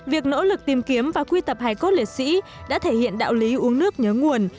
việc nỗ lực tìm kiếm và quy tập hải cốt liệt sĩ đã thể hiện đạo lý uống nước nhớ nguồn